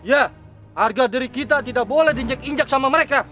ya harga diri kita tidak boleh diinjak injak sama mereka